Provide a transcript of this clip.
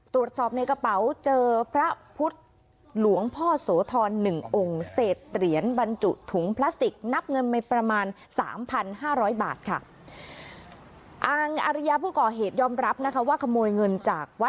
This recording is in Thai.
ตรวจสอบในกระเป๋าเจอพระพุทธหลวงพ่อโสธร๑องค์เศษเหรียญบรรจุถุงพลาสติก